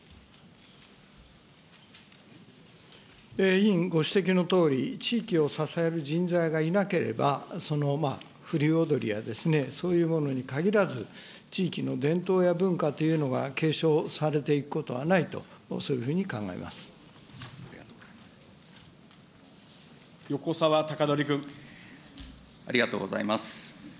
委員ご指摘のとおり、地域を支える人材がいなければ、その風流踊や、そういうものに限らず、地域の伝統や文化というのが継承されていくことはないと、そうい横沢高徳君。ありがとうございます。